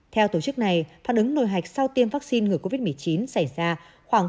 theo tổ chức này phản ứng nổi hạch sau tiêm vaccine người covid một mươi chín xảy ra khoảng ba